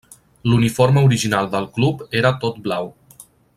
L'uniforme original del club era tot blau.